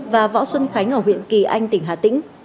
và võ xuân khánh ở huyện kỳ anh tỉnh hà tĩnh